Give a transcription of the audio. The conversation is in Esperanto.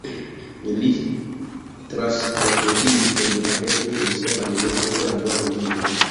Li translokiĝis en Budapeŝton kun sia familio post la dua mondmilito.